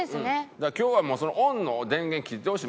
だから今日はそのオンの電源切ってほしい。